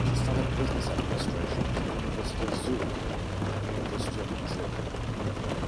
She studied Business Administration at the University of Zurich and University of Madrid.